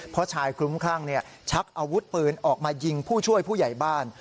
เพราะชายคลุ้มคลั่งชักอาวุธปืนออกมายิงผู้ช่วยผู้ใหญ่บ้าน